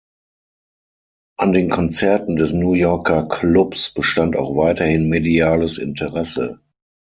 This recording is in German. An den Konzerten des New Yorker Clubs bestand auch weiterhin mediales Interesse.